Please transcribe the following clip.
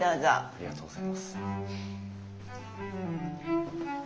ありがとうございます。